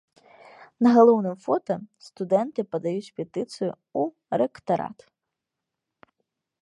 На галоўным фота студэнты падаюць петыцыю ў рэктарат.